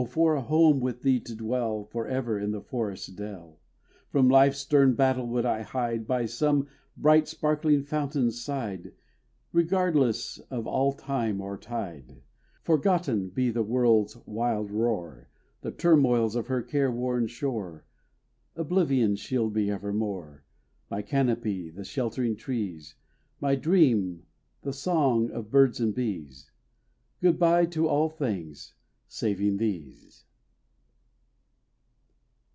for a home with thee to dwell For ever in the forest dell. From life's stern battle would I hide By some bright sparkling fountain's side, Regardless of all time or tide, Forgotten be the world's wild roar, The turmoils of her care worn shore Oblivion shield me evermore, My canopy the sheltering trees, My dream the song of birds and bees: Good bye to all things saving these.